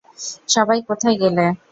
সবাই কোথায় গেলে?